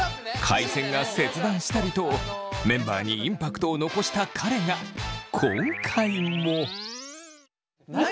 回線が切断したりとメンバーにインパクトを残した彼が今回も。何！？